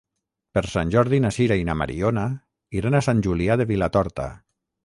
Per Sant Jordi na Sira i na Mariona iran a Sant Julià de Vilatorta.